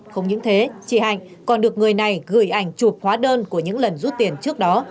không những thế chị hạnh còn được người này gửi ảnh chụp hóa đơn của những lần rút tiền trước đó